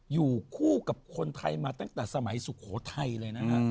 อยู่คู่กับคนไทยมาตั้งแต่สมัยสุโขทัยเลยนะฮะ